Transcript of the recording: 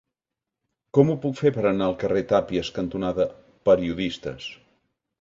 Com ho puc fer per anar al carrer Tàpies cantonada Periodistes?